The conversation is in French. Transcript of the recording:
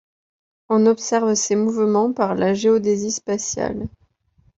On observe ces mouvements par la géodésie spatiale.